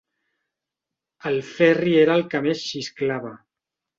El Ferri era el que més xisclava.